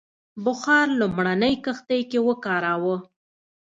بخار لومړنۍ کښتۍ کې وکاراوه.